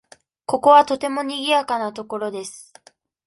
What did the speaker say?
ここはとてもにぎやかな所です。